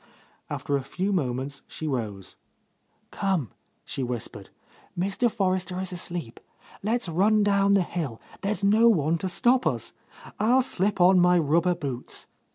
After a few moments she rose. "Come," she whispered, "Mr. Forrester is asleep. Let's run down the hill, there's no one to stop us. I'll slip on my rubber boots.